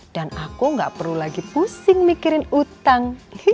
dan aku gak perlu lagi pusing mikirin utang